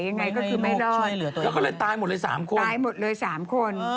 ยังไงก็ไม่ได้แล้วตายหมดเลย๓คน